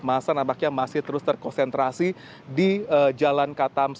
masa nampaknya masih terus terkonsentrasi di jalan katam